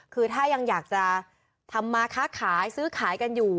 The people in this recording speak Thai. คือถ้ายังอยากจะทำมาค้าขายซื้อขายกันอยู่